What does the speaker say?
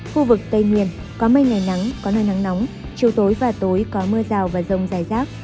khu vực tây nguyên có mây ngày nắng có nơi nắng nóng chiều tối và tối có mưa rào và rông dài rác